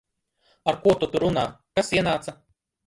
Ar ko tu tur runā? Kas ienāca?